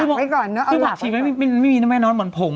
เอาหลักไว้ก่อนเนอะเอาหลักไว้ก่อนคือผักชีไม่มีแน่นอนเหมือนผง